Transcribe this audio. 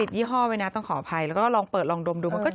ปิดยี่ห้อไว้นะต้องขออภัยแล้วก็ลองเปิดลองดมดู